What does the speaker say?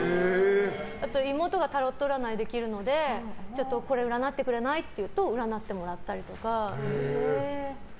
あと妹がタロット占いできるのでこれ占ってくれない？って占ってもらったりとか。